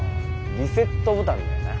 リセットボタンだよな。